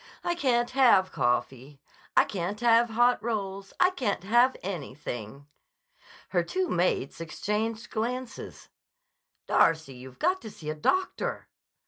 "I can't have coffee. I can't have hot rolls. I can't have anything." Her two mates exchanged glances. "Darcy, you've got to see a doctor."